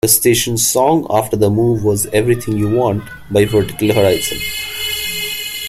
The station's song after the move was "Everything You Want" by Vertical Horizon.